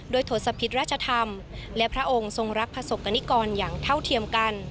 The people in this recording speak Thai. ทศพิษราชธรรมและพระองค์ทรงรักประสบกรณิกรอย่างเท่าเทียมกัน